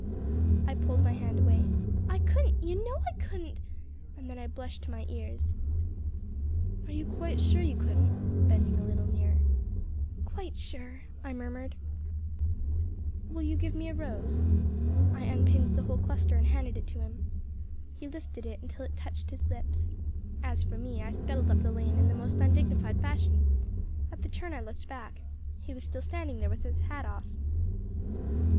I pulled my hand away. "I couldn't you know I couldn't," I cried and then I blushed to my ears. "Are you sure you couldn't?" bending a little nearer. "Quite sure," I murmured. He surrendered my hymnal at last. "Will you give me a rose?" I unpinned the whole cluster and handed it to him. He lifted it until it touched his lips. As for me, I scuttled up the lane in the most undignified fashion. At the turn I looked back. He was still standing there with his hat off.